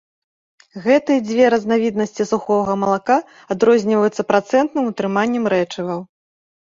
Гэтыя дзве разнавіднасці сухога малака адрозніваюцца працэнтным утрыманнем рэчываў.